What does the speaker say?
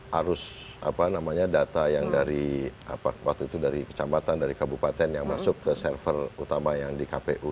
karena harus data yang dari waktu itu dari kecabatan dari kabupaten yang masuk ke server utama yang di kpu